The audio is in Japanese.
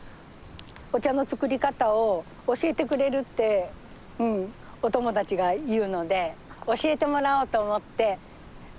お茶の作り方を教えてくれるってお友達が言うので教えてもらおうと思って摘んで持ってこう思うて。